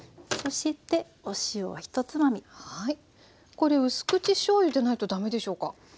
これうす口しょうゆでないと駄目でしょうか？